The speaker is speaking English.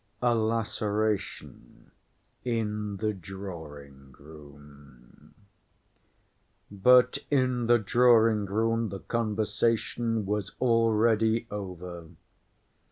A Laceration In The Drawing‐Room But in the drawing‐room the conversation was already over.